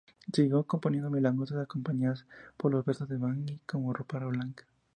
Siguió componiendo milongas acompañadas por los versos de Manzi, como "Ropa blanca".